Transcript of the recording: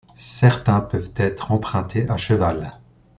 Certains peuvent être empruntés à cheval.